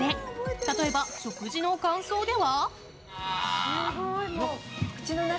例えば、食事の感想では。